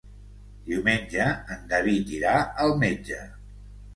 Diumenge en David irà al metge.